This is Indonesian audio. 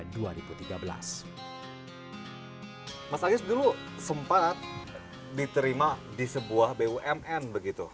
mas agis dulu sempat diterima di sebuah bumn begitu